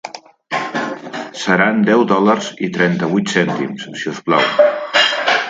Seran deu dòlars i trenta-vuit cèntims, si us plau.